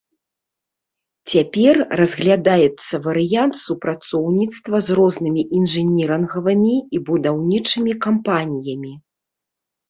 Цяпер разглядаецца варыянт супрацоўніцтва з рознымі інжынірынгавымі і будаўнічымі кампаніямі.